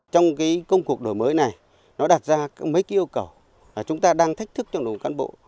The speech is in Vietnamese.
trong công cuộc đổi mới này nó đặt ra mấy cái yêu cầu chúng ta đang thách thức trong đội ngũ cán bộ